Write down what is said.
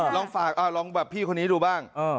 ลองฝากลองแบบพี่คนนี้ดูบ้าง